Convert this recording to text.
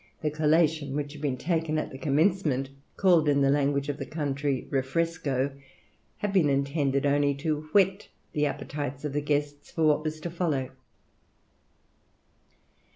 The collation which had been taken at the commencement, called in the language of the country "Refresco," had been intended only to whet the appetites of the guests for what was to follow.